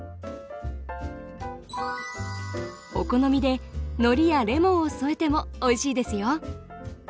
お好みでのりやレモンを添えてもおいしいですよ！